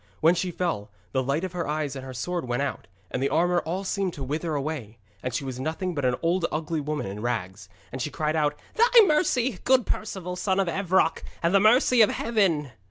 When she fell, the light of her eyes and her sword went out, and the armour all seemed to wither away, and she was nothing but an old ugly woman in rags. And she cried out: 'Thy mercy, good Perceval, son of Evroc, and the mercy of Heaven!'